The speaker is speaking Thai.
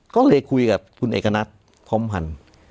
ก็เลยคุยกับคุณเอกณัฐพร้อมพันธ์